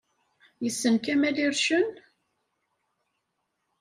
Yessen Kamel Ircen?